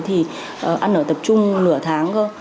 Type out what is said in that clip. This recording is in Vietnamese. thì ăn ở tập trung nửa tháng thôi